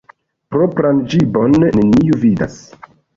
Propran ĝibon neniu vidas.